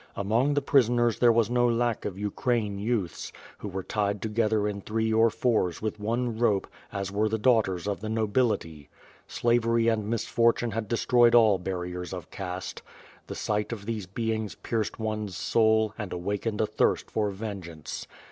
Among the prison er* there was no lack of Ukraine youths, who were tied to gether in threes or fours with one rope, as were the daughters of the nobility. Slavery and misfortune had destroyed all bariers of caste. The sight of these beings pierced one's soul, and awakened a thirst for vengeance.